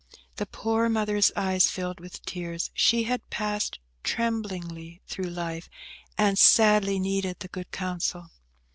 The poor mother's eyes filled with tears. She had passed tremblingly through life, and sadly needed the good counsel.